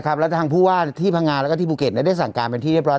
แล้วทางผู้ว่าที่พังงาแล้วก็ที่ภูเก็ตได้สั่งการเป็นที่เรียบร้อ